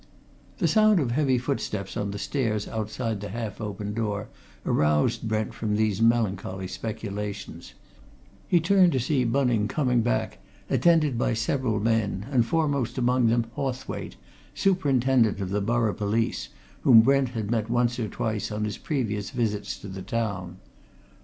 The sound of heavy footsteps on the stairs outside the half open door aroused Brent from these melancholy speculations; he turned to see Bunning coming back, attended by several men, and foremost among them, Hawthwaite, superintendent of the borough police, whom Brent had met once or twice on his previous visits to the town.